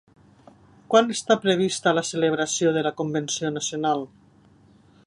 Quan està prevista la celebració de la convenció nacional?